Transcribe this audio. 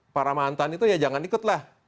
para mantan itu ya jangan ikutlah